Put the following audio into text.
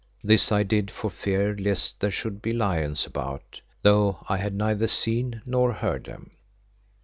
This I did for fear lest there should be lions about, though I had neither seen nor heard them.